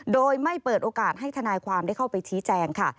โดยไม่เปิดโอกาสให้ทนายความได้เข้าไปชี้แจงค่ะ